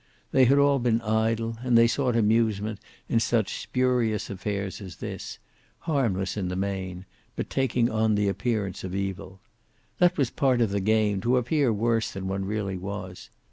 They had all been idle, and they sought amusement in such spurious affairs as this, harmless in the main, but taking on the appearance of evil. That was part of the game, to appear worse than one really was.